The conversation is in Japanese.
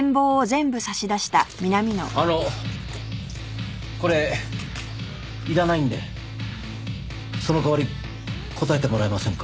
あのこれいらないんでその代わり答えてもらえませんか？